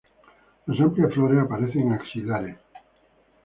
Las amplias flores aparecen axilares.